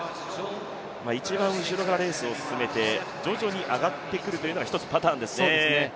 一番後ろからレースを進めて徐々に上がってくるというのがひとつ、パターンですね